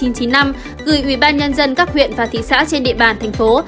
gửi ủy ban nhân dân các huyện và thị xã trên địa bàn thành phố